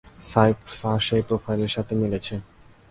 Sir, সে প্রোফাইলের সাথে মিলেছে।